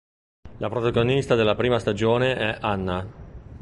La protagonista della prima stagione è Hanna.